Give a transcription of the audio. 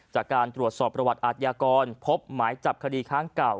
จากการตรวจสอบประวัติอาทยากรพบหมายจับคดีค้างเก่า